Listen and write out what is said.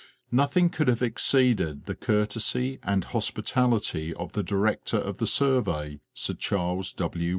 Nothing could have exceeded the courtesy and hospitality of the director of the survey, Sir Charles W.